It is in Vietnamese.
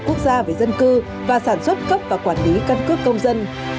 quốc gia về dân cư và sản xuất cấp và quản lý căn cước công dân